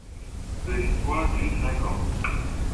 Leur histoire dure cinq ans.